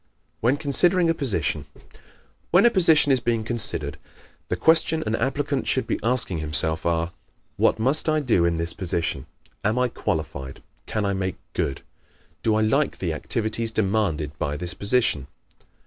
When Considering a Position ¶ When a position is being considered the questions an applicant should be asking himself are, "What must I do in this position? Am I qualified? Can I make good? Do I like the activities demanded by this position?"